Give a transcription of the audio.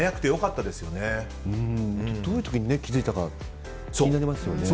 どういう時に気づいたのか気になりますよね。